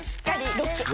ロック！